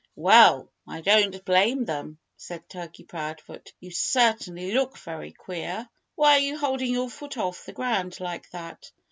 "Well, I don't blame them," said Turkey Proudfoot. "You certainly look very queer. Why are you holding your foot off the ground like that?"